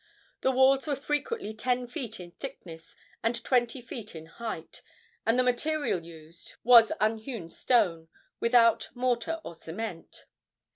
The walls were frequently ten feet in thickness and twenty feet in height, and the material used, was unhewn stone, without mortar or cement.